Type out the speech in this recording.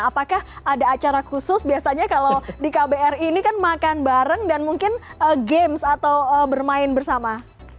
apakah ada acara khusus biasanya kalau di kbri ini kan makan bareng dan mungkin games atau bermain bersama